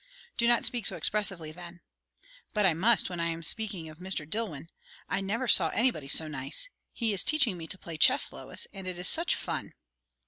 "Do not speak so expressively, then." "But I must, when I am speaking of Mr. Dillwyn. I never saw anybody so nice. He is teaching me to play chess, Lois, and it is such fun."